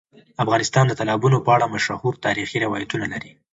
افغانستان د تالابونه په اړه مشهور تاریخی روایتونه لري.